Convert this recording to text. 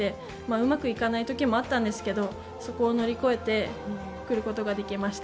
うまくいかない時もあったんですけどそこを乗り越えてくることができました。